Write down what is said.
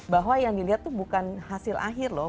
bahwa yang dilihat itu bukan hasil akhir loh